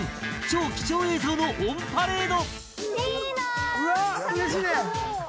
超貴重映像のオンパレード。